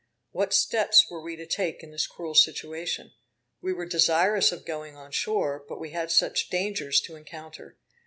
What steps were we to take in this cruel situation? We were desirous of going on shore, but we had such dangers to encounter.